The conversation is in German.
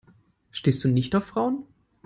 Stehst du nicht auf Frauen?